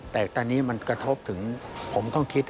แต่ตอนนี้มันกระทบถึงผมต้องคิด